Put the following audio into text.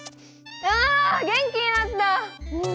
あ元気になった！